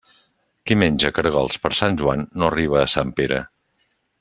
Qui menja caragols per Sant Joan no arriba a Sant Pere.